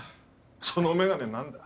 その眼鏡何だ？